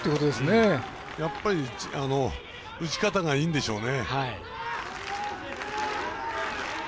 やっぱり、打ち方がいいんでしょうね。